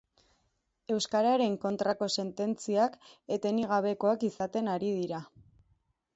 Euskararen kontrako sententziak etenik gabekoak izaten ari dira.